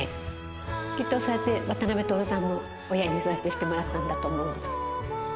きっとそうやって渡辺徹さんも親にそうやってしてもらったんだと思うので。